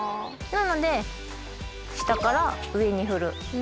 なので下から上に振る。